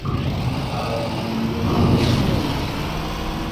گھياٚرآن ڪي ٻوليو مي چوتآݪيٚس اکر هينٚ۔